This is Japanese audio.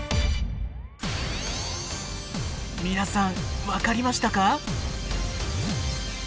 皆さん分かりましたか？